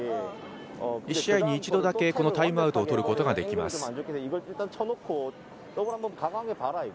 １試合に１度だけタイムアウトをとることができます。